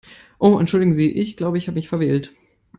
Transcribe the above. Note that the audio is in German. Oh entschuldigen Sie, ich glaube, ich habe mich verwählt.